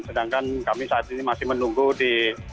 sedangkan kami saat ini masih menunggu di